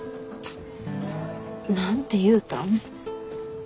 何て言うたん？